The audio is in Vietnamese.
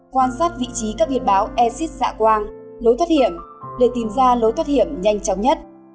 quan sát vị trí các việt báo exit xạ quang lối thoát hiểm để tìm ra lối thoát hiểm nhanh chóng nhất